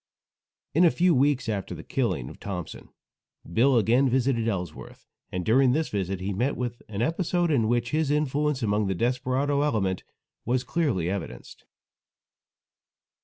In a few weeks after the killing of Thompson, Bill again visited Ellsworth, and during this visit he met with an episode in which his influence among the desperado element was clearly evidenced.